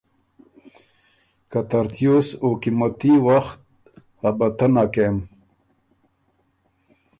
که ترتیوس او قیمتي وخت حبطه نک کېم۔